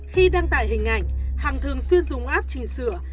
khi đăng tải hình ảnh hằng thường xuyên dùng app chỉnh sửa